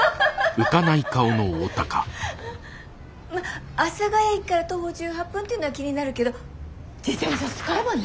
まぁ阿佐ヶ谷駅から徒歩１８分っていうのは気になるけど自転車使えばね。